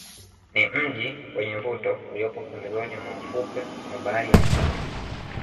Ni mji wenye mvuto uliopo pembezoni mwa ufukwe wa bahari ya Hindi